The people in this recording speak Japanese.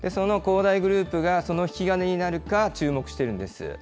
大グループがその引き金になるか注目しているんです。